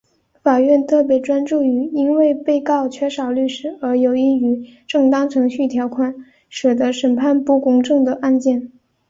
法院特别专注于因为被告缺少律师而有异于正当程序条款使得审判不公正的案件。